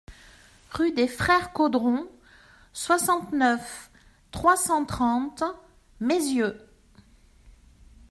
Rue des Frères Caudron, soixante-neuf, trois cent trente Meyzieu